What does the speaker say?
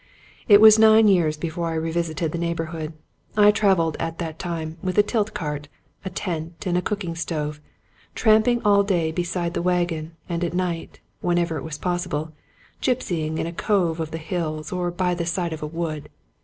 It was nine years before I revisited the neighborhood. I traveled at that time with a tilt cart, a tent, and a cooking stove, tramping all day beside the wagon, and at night, when ever it was possible, gypsying in a cove of the hills, or by the side of a wood.